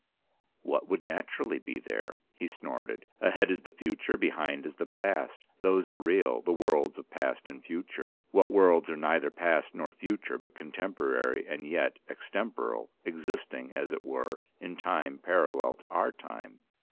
"What would naturally be there?" he snorted. "Ahead is the future; behind is the past. Those are real, the worlds of past and future. What worlds are neither past nor future, but contemporary and yet extemporal existing, as it were, in time parallel to our time?"